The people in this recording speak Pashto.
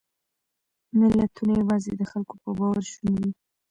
ملتونه یواځې د خلکو په باور شوني دي.